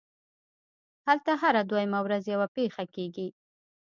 هلته هره دویمه ورځ یوه پېښه کېږي